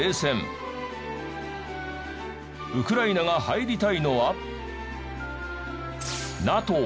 ウクライナが入りたいのは。